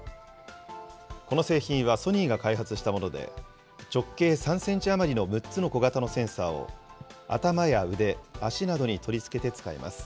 この製品はソニーが開発したもので、直径３センチ余りの６つの小型のセンサーを、頭や腕、足などに取り付けて使います。